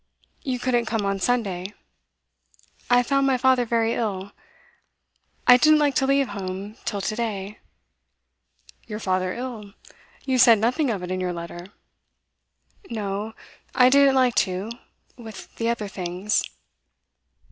'You couldn't come on Sunday?' 'I found my father very ill. I didn't like to leave home till to day.' 'Your father ill? You said nothing of it in your letter.' 'No I didn't like to with the other things.